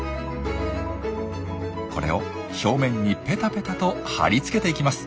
これを表面にペタペタと張り付けていきます。